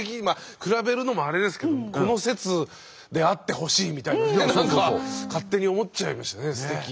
まあ比べるのもあれですけどこの説であってほしいみたいな何か勝手に思っちゃいましたね。